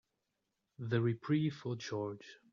The reprieve for George.